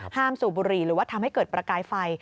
สูบบุหรี่หรือว่าทำให้เกิดประกายไฟ